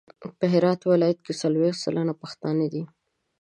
په هرات ولایت کې څلویښت سلنه پښتانه دي.